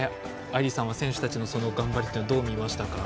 愛莉さんは選手たちの頑張りをどう見ましたか。